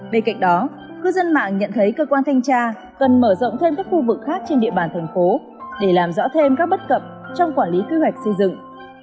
bên cạnh đó cư dân mạng nhận thấy cơ quan thanh tra cần mở rộng thêm các khu vực khác trên địa bàn thành phố để làm rõ thêm các bất cập trong quản lý kế hoạch xây dựng